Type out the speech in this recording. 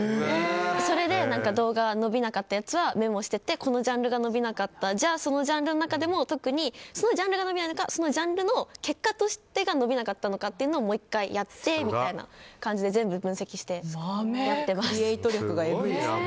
それで動画伸びなかったやつはメモしていってこのジャンルが伸びなかったじゃあ、そのジャンルの中でも特にそのジャンルが伸びないのかそのジャンルが結果として伸びなかったのかをもう１回やってみたいな感じでクリエイト力がえぐいな。